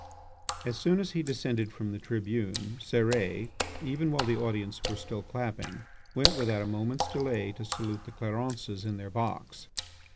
As soon as he descended from the tribune, Cérès, even while the audience were still clapping, went without a moment's delay to salute the Clarences in their box.